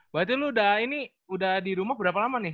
berarti lu udah ini udah di rumah berapa lama nih